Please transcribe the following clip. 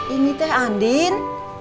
ini teh andin